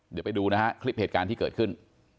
เดี๋ยวไปดูนะฮะคลิปเหตุการณ์ที่เกิดขึ้น